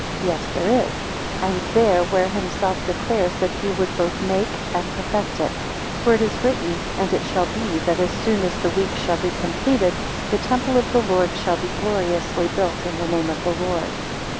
Yes there is: and there where himself declares that he would both make and perfect it. For it is written: And it shall be that as soon as the week shall be completed, the temple of the Lord shall be gloriously built in the name of the Lord.